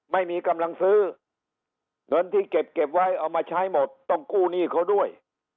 ไม่มีกำลังซื้อเงินที่เก็บเก็บไว้เอามาใช้หมดต้องกู้หนี้เขาด้วย